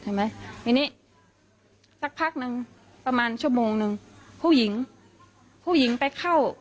วันนี้สักพักนึงประมาณชั่วโมงนึงผู้หญิงไปเข้า